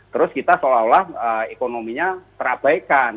terus kita seolah olah ekonominya terabaikan